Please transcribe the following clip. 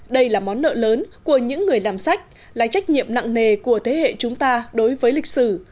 đây là món nợ lớn của những người làm sách là trách nhiệm nặng nề của thế hệ chúng ta đối với lịch sử